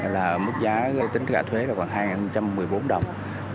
là mức giá tính cả thuế là khoảng hai trăm một mươi bốn đồng